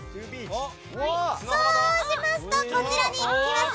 そうしますと、こちらに来ます。